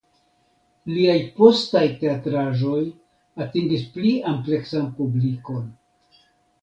Liaj postaj teatraĵoj atingis pli ampleksan publikon.